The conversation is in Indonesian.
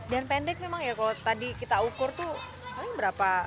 dan pendek memang ya kalau tadi kita ukur tuh paling berapa